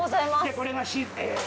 これが。